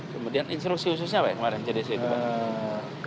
kemudian instruksi khususnya apa ya kemarin jdc itu pak